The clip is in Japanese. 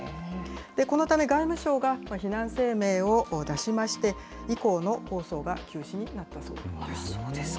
このため、外務省が非難声明を出しまして、以降の放送が休止になったそうです。